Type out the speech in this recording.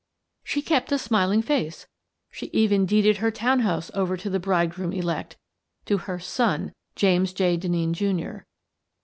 " She kept a smiling face. She even deeded her town house over to the bridegroom elect — to her 'son/ James J. Denneen, Jr.